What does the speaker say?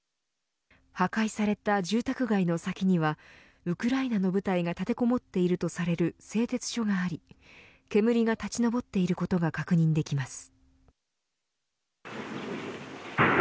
破壊された住宅街の先にはウクライナの部隊が立てこもっているとされる製鉄所があり煙が立ち上っていることが確認できます。